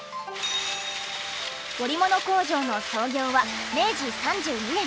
織物工場の創業は明治３２年。